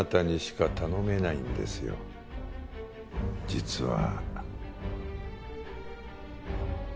実は。